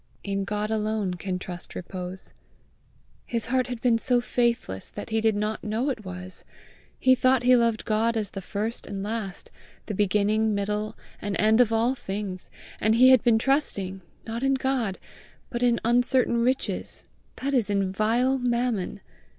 In God alone can trust repose. His heart had been so faithless that he did not know it was! He thought he loved God as the first and last, the beginning, middle, and end of all things, and he had been trusting, not in God, but in uncertain riches, that is in vile Mammon!